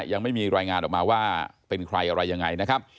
ยังไม่มีรายงานออกมาว่าเป็นใครอะไรยังไงนะครับ